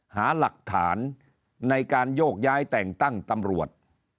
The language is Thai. หาหลักฐานในการโยกย้ายแต่งตั้งตำรวจ